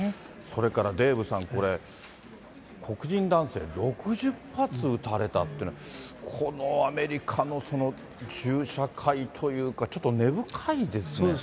それからデーブさんこれ、黒人男性、６０発撃たれたっていうのは、このアメリカの銃社会というか、そうですね。